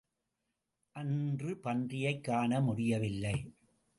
அன்று பன்றியைக் காண முடியவில்லை.